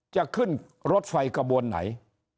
จะขึ้นรถไฟกระบวนไหน